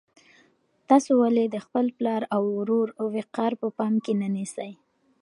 تاسو ولې د خپل پلار او ورور وقار په پام کې نه نیسئ؟